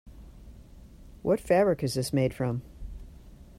What fabric is this made from?